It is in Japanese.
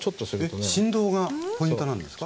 えっ振動がポイントなんですか？